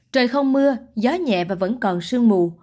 trời không mưa gió nhẹ và vẫn còn sương mù